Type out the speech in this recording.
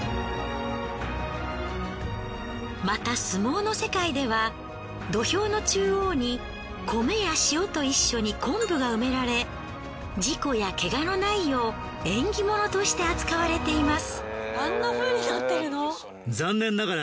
また相撲の世界では土俵の中央に米や塩と一緒に昆布が埋められ事故やケガのないよう縁起物として扱われています。